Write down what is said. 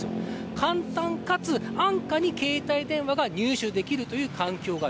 簡単かつ安価に携帯電話が入手できる環境がある。